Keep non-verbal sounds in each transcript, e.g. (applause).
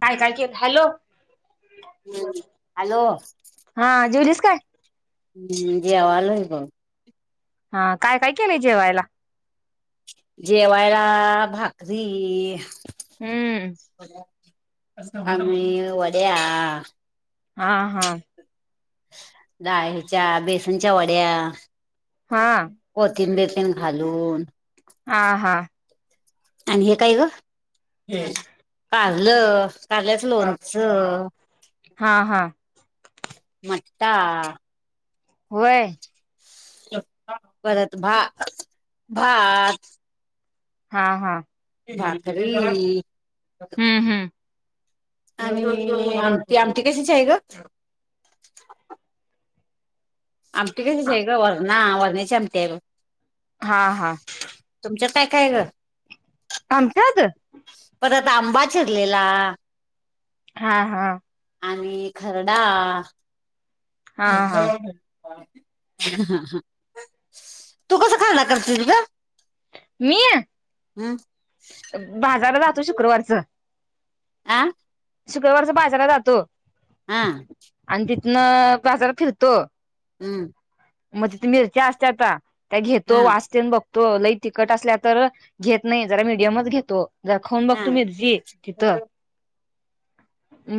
काय काय केल हॅलो, हॅलो, हा जेवलीस काय हम्म जेवालोय बग. हा, काय काय केलंय जेवायला? जेवायला भाकरी, हम्म. आणि वड्या. हा हा डाळ हेच्या बेसनच्या वड्या हा कोथिंबीर तेन घालून. हा हा. आणि हे काय गं? कारलं कारल्याच लोणचं. हा हा. मट्टा व्हय. परत भा भात. हा हा. (unintelligible) हम हम. आणि आम आमटी कशाची आहे ग? आमटी कशाची आहे गं? वरणा वरण्याची आमटी हाय बग. हा, हा‌. तुमच्यात काय काय हाय गं? आमच्याात परत आंबा चिरलेला हा, हा. आणि खरडा. हा ह, हा ह तू कसा खरडा करतेस गं? मी हम्. बाजारात जातो शुक्रवारच आं- शुक्रवारच बाजाराला जातो. हा. आणि तिथनं बाजारात फिरतो हम्म. मग तिथ मिरच्या असत्याता त्या घेतो हा, वास तेन बघ तो लई तिखट असल्या तर घेत नाही जरा मिडियमच घेतो. जरा खाऊन बघतो हा, मिरची तिथं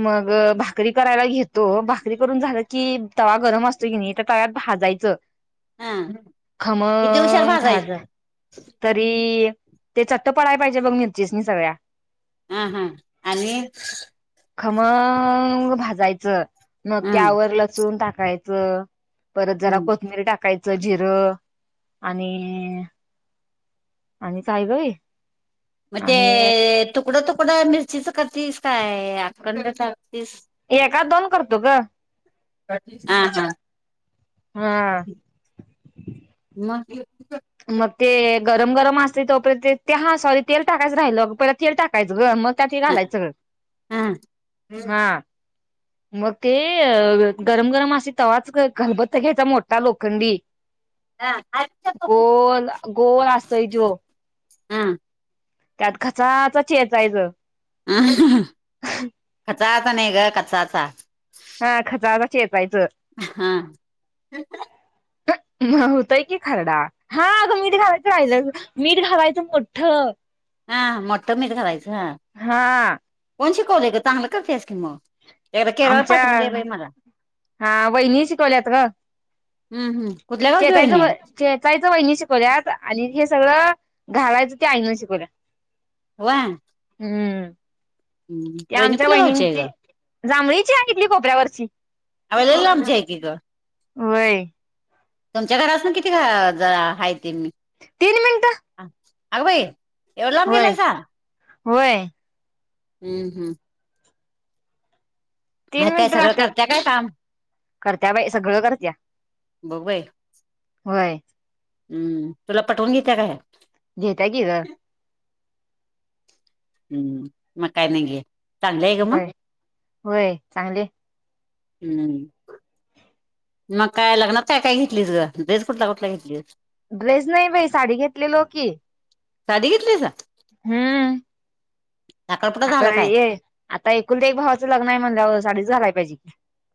मग भाकरी करायला घेतो. भाकरी करून झालं की तवा गरम असतो की नाही त्या तव्यात भाजायची. हा. किती हुशार खमंग भाज भाजायचं तरी ते चट्ट पडयला पाहिजे बघ मिरचीसनी सगळ्या हां हां आणि खमंग भाजायचं मग हं, त्यावर लसून टाकायचं परत जरा हं. कोथमिरी टाकायचं जिरं आणि आणि काय गं हे म ते तुकडं, तुकडं मिरचीच करतीस काय आखंड चारतीस? एकात दोन करतो ग. हा हा, हा. मग ते गरम, गरम असते तोपर्यंत ते हा सॉरी तेल टाकायचं राहिलं. परला तेल टाकायचं ग मग त्यात ते हा घालायचं सगळं हा. हा. मग ते गरम, गरम असतय तव्हाच खलबत्ता घ्यायचा मोठा लोखंडी हा. गोल, गोल असतय तो. त्यात घसासा चेचायचं हम घचाचा नाही ग कचाचा. हा खसासा चेचायचं. हा. होतय कि खरडा‌. हा अगं मीठ घावायचं राहिलं, मीठ घालायचं मोठं. हा मोठ घालायचं हा हा कोण शिकवलं ग चांगलं करतेस की मग? एकदा केला की आमच्या पाटवून दे बाई मला हा वहिनी शिकवल्यात ग हं हं कुठल्या गावची वहिनी चेचायचं आहे? खेचायचं वहिणी शिकवल्यात आणि हे सगळं घालायचं ते आईन शिकवल. वा. हम्म ते वहिनी आमच्या कुठल्या गावची आहे ग? वहिणीची जांभळीची हाय इथली खोपऱ्यावरची ले आमची हाय की गं वय तुमच्या घरात पसन किती गं जरा हाय ते मी तीन मिनिटं अगं बाई. एवढं लाम गेलायसा व्हय. हम्म हम्म. हाय तीन काय मिनिट सगळं राहत्यात करत्या काय काम? करत्या बाई सगळं करत्या बघ बाई व्हय. हम्म तुला पठवून घेत्या काय? घेत्या की गं हम्म म काय नाई घे चांगलीय गं म होय होय चांगलीय हम्म. म काय लग्नात काय काय घेतलीस गं ड्रेस कुठला कुठला घेतलीस. ड्रेस नाइ बाई साडी घेतलेलो की साडी घेतलीसा हम्म. साखरपुडा आता झाला काय? ये आता एकुलत एक भावाचं लग्नाय म्हणल्या साडीच घालायला पाहिजे की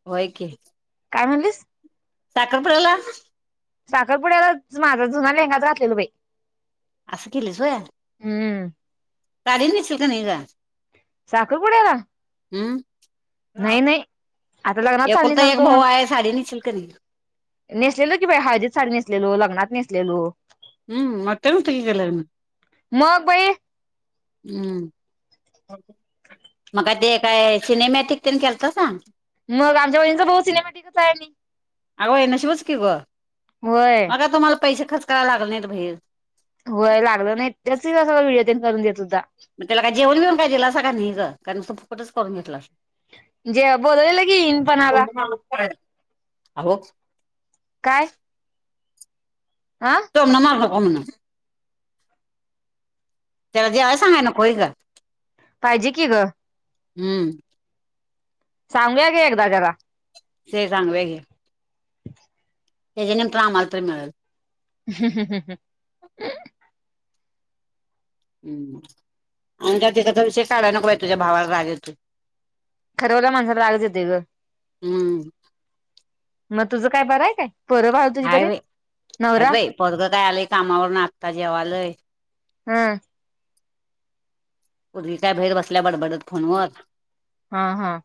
व्हय की. काय म्हणलीस? साखरपुड्याला. साखरपुड्यालाच माझा जुना लेंगात घातलेलो बाई आस केलीस व्हय हम्म. साडी नेसल कनी गं साखरपुड्याला हम्म नाही नाही आता लग्नात साडी एकूलता नेसणार एक होतो भाऊ म्हण हाय साडी नेसल कनी नेसलेलो की बाई हळदीत साडी नेसलेलो लग्नात नेसलेलो. हम्म मोठ्यात होतं की गं लग्न मग बाई हम्म म ते काय सिनेमॅटिक तेन केलतासा? म आमच्या वहिनीचा बाऊ सिनेमॅटिक हाय आणि अगं होय नशीबच की गं व्हय म तुम्हाला पैसे खर्च करायला लागले नाइत बाहेर व्हय लागलं नाइत त्याच वेळी व्हिडिओ तेन करून देत होता. म त्याला काय जेवण बिवन काय दिलासा का नुसतं का तो फुकटच करून घेतला. जे बोलवलेलं की इनपणाला (unintelligible) आहो काय आ तोमण मार नको म्हण त्याला जेवाय सांगाय नको व्हय गं पाहिजे की ग. हम्म. सांगुया घे एकदा जरा. स सांगुया घे. त्याच्या निमतान आम्हाला तरी मिळल. (unintelligible) हम्म आणि त्या तीझा विषय काढाय नको बाई तुझ्या भावाला राग येतोय. खरवला माणसाला रागच येतोय ग. हम्म मग तुझं काय बरं आहे काय? पोरं बाळ तुझी बरी हाय आहेत बाई हाईत नवरा बाई पोरग काय आलंय कामावरन आता जेवालय. हम्म. पुरगी काय भाहीर बसल्या बडबडत फोनवर. हा हा.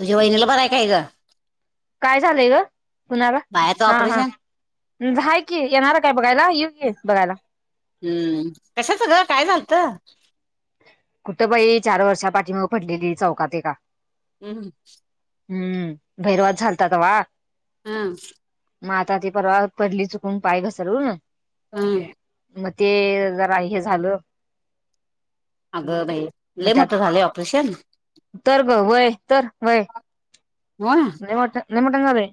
तुझ्या वहिणीला बरं हाय काय ग? काय झालंय ग? कुणाला? बाळाचं हा हा ऑपरेशन हाय कि येणार काय बघायला येकी बघायला. हम्म. कशाच ग काय झालत? कुठं बाई चार वर्षा पाठीमाग पडलेली चौकात एका. हम् हम्म. भैरवाद झालता तवा. हा. मग आता ती परवा पडली चुकून पाय घसरून हम् मग ते जरा हे झालं. अगं बाई. मग लई त्यात मोठ झालय ऑपरेशन? तर ग व्हय तर व्हय. व्हय. लय मोठं लय मोठं झालय?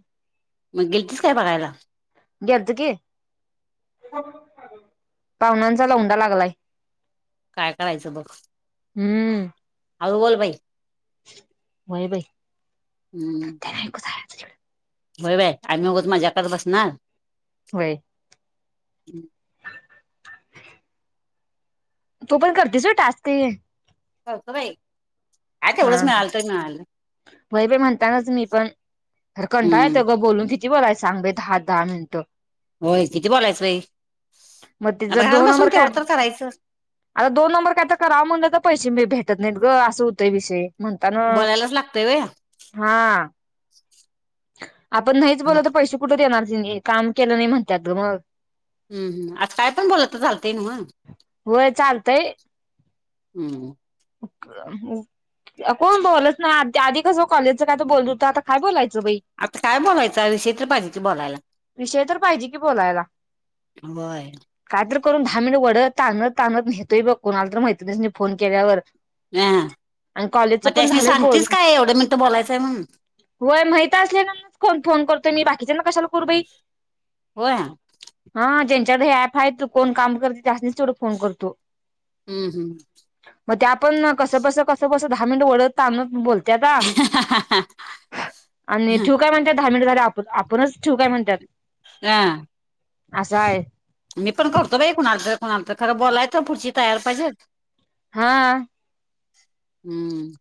मग गिलतीसं काय बघायला? गेलतो की. (unintelligible) पाहुण्यांचा लोडा लागलाय. काय करायचं बघ. हम्म हाळू बोल बाई. व्हय बाई. नाहीतर व्हय बाई आम्ही उगच मज्या करत बसणार व्हय हम्म. तू पण करतीस व्हय टास्क ते? करतो बाई. काय हा तेवढंच हा मिळाल तर मिळालं व्हय बाई म्हणतानाच मी पण खरं कंटाळा हम्म येतोय बघ बोलून कि ती बोलायचं सांग बाई दहा दहा मिनिटं. व्हय किती बोलायचंय बाई, मग ते जर आता घरात दोन बसून नंबर काय तेवढं तर करायचं. आता दोन नंबर काय तर कराव म्हणलं तर पैसे भी भेटत नाहीत ग असं होतंय विषय. म्हणतान बोलायलाच लागतंय व्हय हा. आपण नाहीच हम्म बोललो त पैसे कुठ देणार त्यांनी काम केलं नाय म्हणत्यात ग मग हूं हूं आत काय पण बोललं त चालतय न्हवं. व्हय चालतंय. अम्म (unintelligible) अ कोण बोलत नाय आ त्या आधी कसं कॉलेजचं काय त बोलत होत आता काय बोलायचं बई. आता काय बोलायचंय, विषय तर पाहिजे की, बोलायला. विषय तर पाहिजे की, बोलायला. होय काय तर करून दहा मिनिटं वडत ताणत ताणत नेहतोय बघ, कोणाला तर मैत्रिणीसनी फोन केल्यावर हया आणि म कॉलेजचं पण त्यासनी झालंय सांगतेस काय? एवढं मिनटं बोलायचंय म्हणून व्हय. माहित असलेल्यानाच फोन फोन करतोय मी बाकीच्यांना कशाला करु बई. होय हा ज्यांच्याकडे हे ऍप आहेत. कोण काम करतय. त्यास्नीच तेवढं फोन करतो. हूं हम्म म त्यापण अ कसं बस, कसं बस दहा मिनटं वढत ताणत बोल त्याता आणि ठेवू काय म्हणत्यात दहा मिनट झाल्यावर आप आपणच ठीवू काय म्हणत्यात. यां असं आहे मी पण करतो बाई कुणाला तर, कुणाला तर, खरं बोलाय त पुढची तयार पाहिजेत. हा हम्म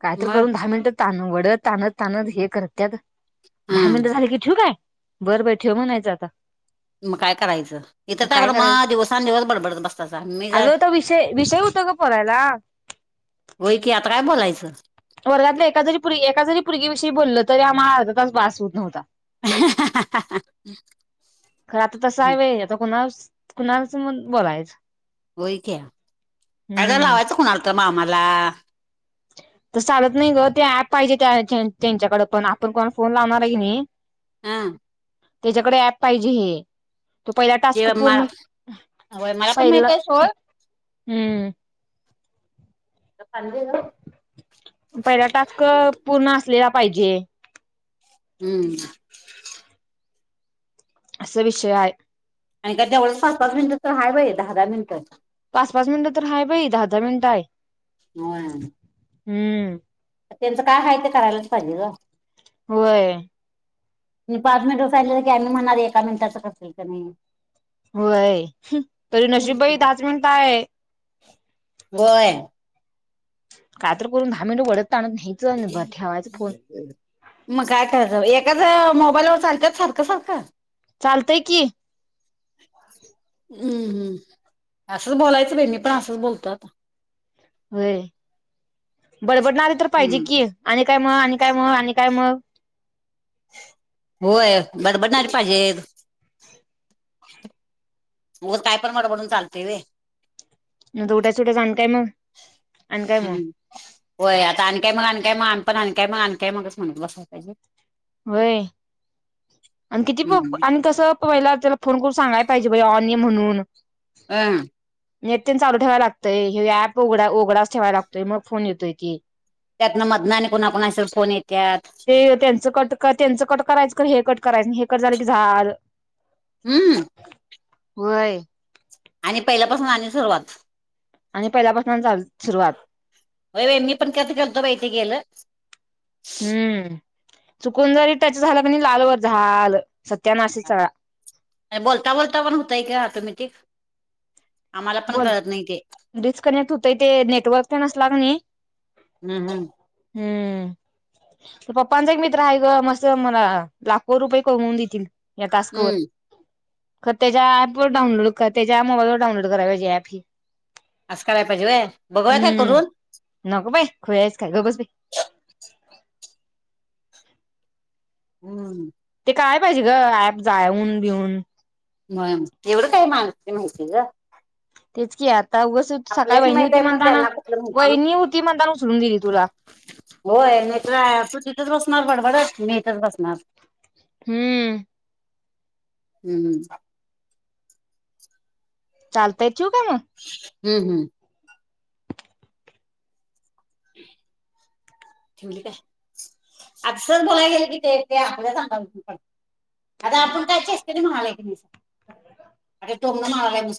काय तर मग करून दहा मिनिटं ताण वडत ताणत ताणत हे करत्यात. दहा हम्म मिनटं झाली की ठेवू काय? बरं बाय ठेव म्हणायचं आता मग काय करायचं. इथं काय बर मा दिवसान दिवस बडबडत बसतासा मी का अग, तो विषय विषय होता ग बोलायला. व्हय की, आता काय बोलायचं? वर्गातल्या एका जरी पोरी, एका जरी पोरगी विषयी बोललं, तरी आम्हा आर्ध तास बास होत नव्हता. खरं आता तसं हाय व्हय, आता कोणास कुणा सोमत बोलायचं. होय क्या, अग हम्म. लावायचं कुणाल तर मामाला तस चालत नाय ग, ते ऍप पाहिजे त्या त्यांच्याकड पण, आपण कोणाला फोन लावणार हाय की नी हा त्येज्याकडे ऍप पाहिजे हे तो पहिला जे टास्क पूर्ण, होय मला पण पहिल माहित आहे सोड हम्म ज पाणी दे ग पहिला टास्क पूर्ण असलेला पाहिजे. हम्म. अस विषय हाय. आणि काय तेवढच पाच -पाच मिनिट तर हाय बय, दहा -दहा मिनिटं पाच- पाच मिनिट तर हाय बई, दहा दहा मिनिटं हाय. आं हम्म त्यांचं काय हाय ते करायलाच पाहिजे ग. व्हय. म पाच मिनिट सांगितलं की, आम्ही म्हणाणार, एका मिनीटाच करतोय क नाय. होय. तरी नशीबबाई दहाच मिनट आहे. होय. काय तर करून दहा मिनट, वडत, ताणत न्यायचं बर ठेवायच फोन. मग काय करायचं, एकाच मोबाईलवर चालत्यांत सारखं -सारखं. चालतय की. हम्म, हम्म असंच बोलायचं बाई, मी पण असंच बोलतो आता. होय, बडबडणारी तर पाहिजे हम्म की, आणि काय मग, आणि काय मग, आणि काय मग. होय बडबडणारी पाहिजे. (inaudible) उगच कायपण बडबडून चालतय होय. उठायचं सुटायचं, आणी काय मग, आणी काय मग. हम्म होय, आता आणी काय मग? आणी काय मग? आम्ही पण आणी काय मग? आण काय मगच म्हणत बसाय पाहिजे. होय, आणि किती प हम्म आणि कसं. पहिला त्याला फोन करून सांगाय पाहिजे, ऑन ये म्हणून. हं. नेट चालू ठेवाय लागतोय, हे ऍप उघडा ठेवाय लागतोय, मग फोन येतोय की. त्यातन मधन आणि कुणाकुणाचे फोन येतात. ते त्यांचं कट, त्यांचं कट करायचं क हे कट करायचं, हे कट झालं की झाल. हम्म! होय. आणि पहिल्यापासून आणि सुरुवात. आणि पहिल्यापासूनन झाली सुरुवात. होय, मी पण कट केलतो बाइ ते गेलं. हम्म, चुकून जरीटच त्याच झालं प लालवर झाल सत्यानाशच सगळा. बोलता -बोलता पण होतय का ऑटोमेटिक आम्हाला पण बोल कळत नाही ते. डिस्कनेक्ट होतय, ते नेटवर्क पण नसल की नाही. हम्म हम्. हम्म. पप्पांचा एक मित्र आहे ग. मस्त मला लाखो रुपये कमवून देतील. या तास्क वर हम्म ख त्याच्या ऍप वर डाऊनलोड त्याच्या मोबाईल वर डाउनलोड. (inaudible) असं कराय पाहिजे वय बघूया काय हम्म करून. नको बाई खुळी काय ग बस बाई. हम्म! ते काय पाहिजे ग ॲप जाऊन,. बिऊन हो एवढं काही माणस माहिती ग. तेच की आता उगस सकाळी आपल्यासनी वहिणी माहित होती आहे म्हणून म्हणताना त्यांना कुठलं माहिती वहिणी होती म्हणताना उचलून दिली तुला. होय मितर तू तिथेच बसणार बडबडत, मी इथच बसणार. हम्म! हम्म, हम. चालतय, ठेवू काय मग. हम्म, हम्म. ठेवली काय? अक्षरच बोलाय गईल की ते आपल्या सांगा पण, (inaudible)